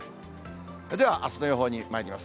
ではあすの予報にまいります。